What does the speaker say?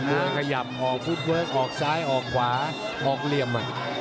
ขยับออกฟุตเวิร์คออกซ้ายออกขวาออกเหลี่ยม